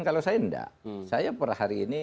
kalau saya enggak saya per hari ini